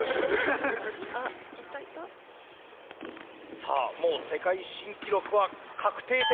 さあもう世界新記録は確定的。